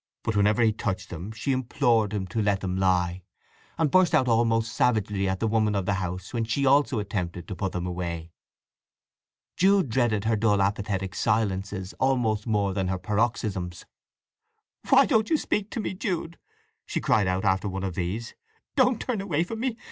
But whenever he touched them she implored him to let them lie, and burst out almost savagely at the woman of the house when she also attempted to put them away. Jude dreaded her dull apathetic silences almost more than her paroxysms. "Why don't you speak to me, Jude?" she cried out, after one of these. "Don't turn away from me!